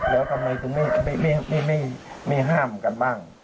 แล้วทำไมถึงไม่ห้ามกันบ้าง